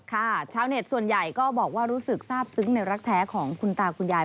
ชาวเน็ตส่วนใหญ่ก็บอกว่ารู้สึกทราบซึ้งในรักแท้ของคุณตาคุณยาย